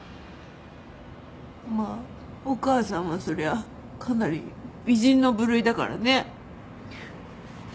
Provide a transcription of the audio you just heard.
まあお母さんはそりゃかなり美人の部類だからね。